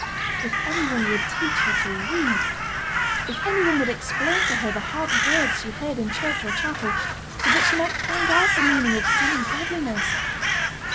If any one would teach her to read! If any one would explain to her the hard words she heard in church or chapel, so that she might find out the meaning of sin and godliness!